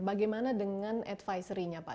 bagaimana dengan advisory nya pak